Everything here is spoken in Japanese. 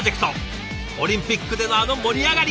オリンピックでのあの盛り上がり！